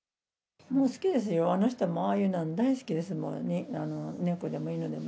もう、好きですよ、あの人はああいうの大好きですもの。